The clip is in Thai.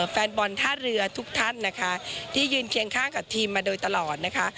แฟนบอลท่าเรือทุกท่านนะคะที่ยืนเคียงข้างกับทีมมาโดยตลอดนะคะ